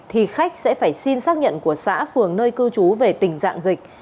thì khách sẽ phải xin xác nhận của xã phường nơi cư trú về tình trạng dịch